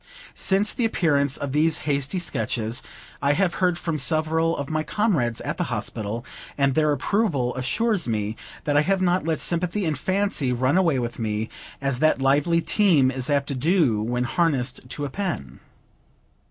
Since the appearance of these hasty Sketches, I have heard from several of my comrades at the Hospital; and their approval assures me that I have not let sympathy and fancy run away with me, as that lively team is apt to do when harnessed to a pen.